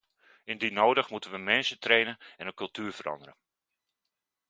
Indien nodig moeten we mensen trainen en hun cultuur veranderen.